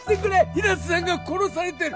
平田さんが殺されてる